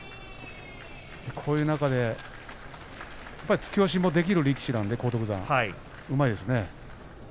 こういう中で荒篤山は突き押しもできる力士なんでうまいですね。